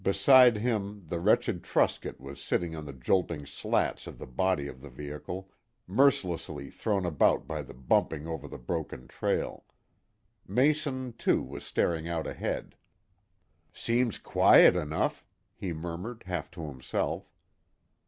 Beside him the wretched Truscott was sitting on the jolting slats of the body of the vehicle, mercilessly thrown about by the bumping over the broken trail. Mason, too, was staring out ahead. "Seems quiet enough," he murmured, half to himself.